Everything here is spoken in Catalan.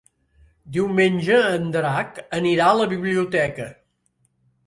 Diumenge en Drac anirà a la biblioteca.